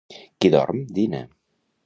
Qui dorm dina.